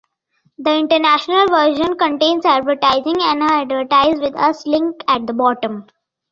The international version contains advertising and an "Advertise With Us" link at the bottom.